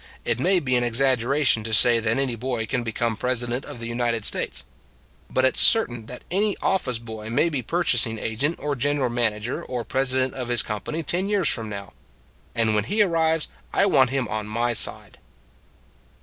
It may be an exaggeration to say that any boy can become President of the United States. But it s certain that any office boy may be purchasing agent or general man ager or president of his company ten years from now. And when he arrives, I want him on my side."